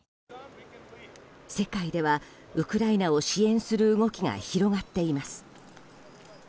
世界ではウクライナを支援する動きが広がっています。